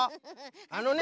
あのね。